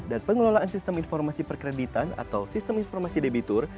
dan pengelolaan sistem informasi perkreditan atau sistem informasi debitur